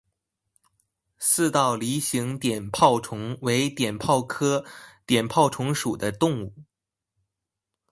似倒梨形碘泡虫为碘泡科碘泡虫属的动物。